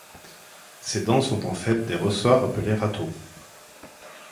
Ces dents sont en fait des ressorts appelés râteaux.